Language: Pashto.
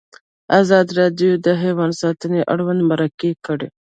ازادي راډیو د حیوان ساتنه اړوند مرکې کړي.